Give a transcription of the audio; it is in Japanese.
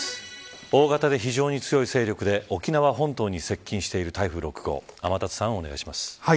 大型で非常に強い勢力で沖縄本島に接近している台風６号天達さん、お願いします。